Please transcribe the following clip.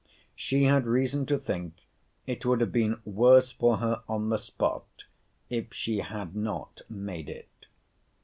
She had reason* to think it would have been worse for her on the spot, if she had not made it.